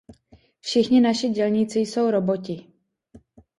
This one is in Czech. Všichni naši dělníci jsou roboti.